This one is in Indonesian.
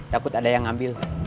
takut ada yang ngambil